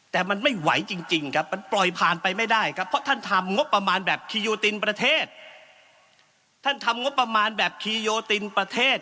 แต่มันไม่ไหวจริงครับมันปล่อยผ่านไปไม่ได้ครับเพราะท่านทำงบประมาณแบบคิโยตินประเทศ